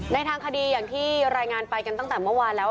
ทางคดีอย่างที่รายงานไปกันตั้งแต่เมื่อวานแล้ว